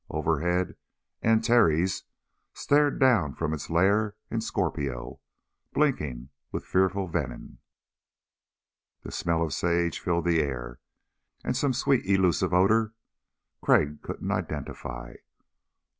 Overhead Antares stared down from its lair in Scorpio, blinking with fearful venom. The smell of sage filled the air, and some sweet elusive odor Crag couldn't identify.